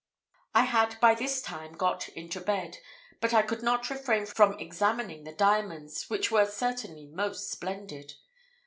I had by this time got into bed, but I could not refrain from examining the diamonds, which were certainly most splendid.